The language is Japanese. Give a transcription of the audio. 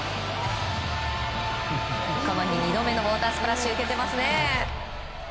この日、２度目のウォータースプラッシュ受けてますね。